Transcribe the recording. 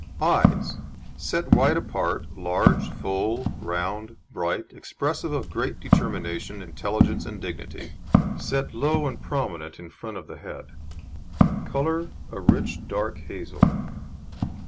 EYES Set wide apart, large, full, round, bright, expressive of great determination, intelligence and dignity; set low and prominent in front of the head; colour a rich dark hazel.